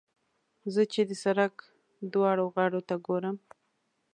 زه چې د سړک دواړو غاړو ته ګورم.